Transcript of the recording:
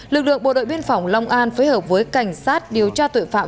lực lượng bộ đội biên phòng long an phối hợp với cảnh sát điều tra tội phạm